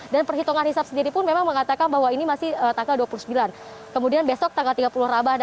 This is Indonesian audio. dan perhitungan hisap sendiri pun memang mengatakan bahwa ini masih tanggal dua puluh sembilan kemudian besok tanggal tiga puluh rabah